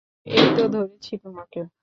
এইতো, ধরেছি তোমাকে।